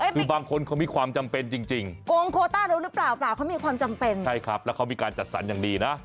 คือบางคนเขามีความจำเป็นจริงโกงโคต้าด้วยหรือเปล่าเปล่าเขามีความจำเป็นใช่ครับแล้วเขามีการจัดสรรอย่างดีนะ